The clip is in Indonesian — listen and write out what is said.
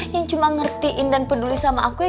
yang cuma ngertiin dan peduli sama aku ya